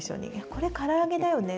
これ、から揚げだよね。